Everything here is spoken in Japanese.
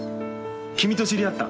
君と知り合った。